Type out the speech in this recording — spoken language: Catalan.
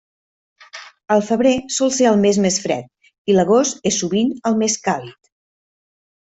El febrer sol ser el mes més fred, i l'agost és sovint el més càlid.